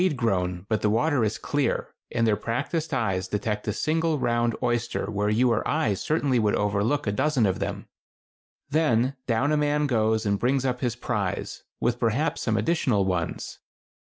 It may be rocky and weed grown, but the water is clear, and their practised eyes detect a single round oyster where you or I certainly would overlook a dozen of them. Then down a man goes and brings up his prize, with perhaps some additional ones.